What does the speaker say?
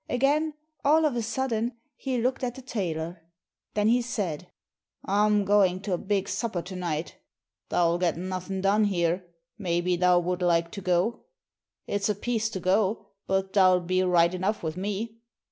Again, all of a sudden, he looked at the tailor. Then he said: 'Ahm goin' to a big supper to night. Thou'll get nothin' done here, maybe thou would like to go? It's apiece to go, but thou'll be right enough with me.